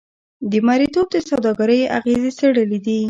د مریتوب د سوداګرۍ اغېزې څېړلې دي.